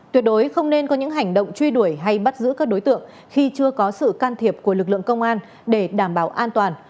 tuyệt đối không nên có những hành động truy đuổi hay bắt giữ các đối tượng khi chưa có sự can thiệp của lực lượng công an để đảm bảo an toàn